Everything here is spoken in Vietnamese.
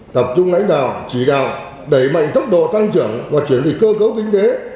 tập trung lãnh đạo chỉ đạo đẩy mạnh tốc độ tăng trưởng và chuyển dịch cơ cấu kinh tế